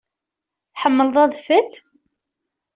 Tḥemmleḍ adfel?